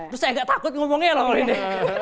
terus saya gak takut ngomongnya lah kalau ini